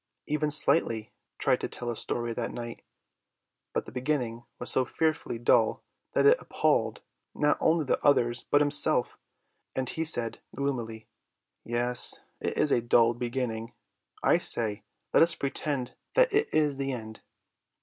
Even Slightly tried to tell a story that night, but the beginning was so fearfully dull that it appalled not only the others but himself, and he said gloomily: "Yes, it is a dull beginning. I say, let us pretend that it is the end."